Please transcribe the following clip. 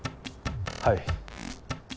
はい。